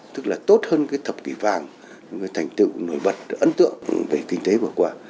tức là tốt hơn cái thập kỷ vàng cái thành tựu nổi bật ấn tượng về kinh tế vừa qua